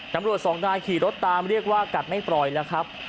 สองนายขี่รถตามเรียกว่ากัดไม่ปล่อยแล้วครับ